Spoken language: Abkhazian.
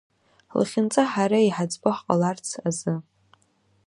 Ҳлахьынҵа ҳара иҳаӡбо ҳҟаларц азы.